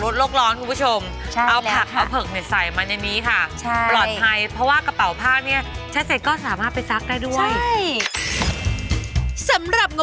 ถูกต้องเนี่ยจริง